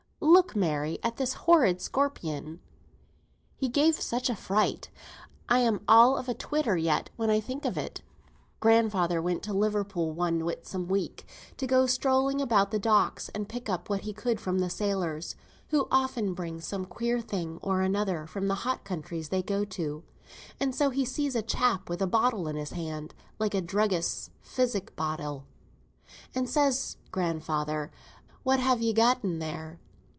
"Look, Mary, at this horrid scorpion. He gave me such a fright: I'm all of a twitter yet when I think of it. Grandfather went to Liverpool one Whitsun week to go strolling about the docks and pick up what he could from the sailors, who often bring some queer thing or another from the hot countries they go to; and so he sees a chap with a bottle in his hand, like a druggist's physic bottle; and says grandfather, 'What have ye gotten there?'